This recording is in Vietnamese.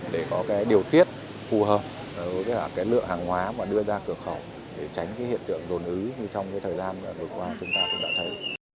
để có cái điều tiết phù hợp với cả cái lựa hàng hóa mà đưa ra cửa khẩu để tránh cái hiện tượng đồn ứ như trong cái thời gian vừa qua chúng ta cũng đã thấy